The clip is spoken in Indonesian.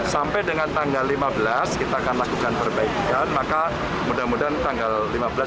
sampai dengan tanggal lima belas kita akan lakukan perbaikan maka mudah mudahan tanggal lima belas